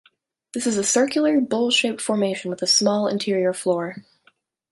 This is a circular, bowl-shaped formation with a small interior floor.